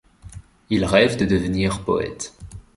Il rêve de devenir poète.